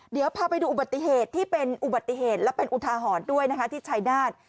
เดี๋ยวพาไปดูอุบัติเหตุที่เป็นอุบัติเหตุและเป็นอุทาหรณ์ด้วยนะคะที่ชายนาฏ